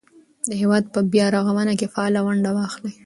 د هېواد په بیا رغونه کې فعاله ونډه واخلئ.